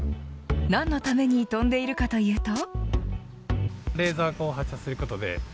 何のために飛んでいるかというと。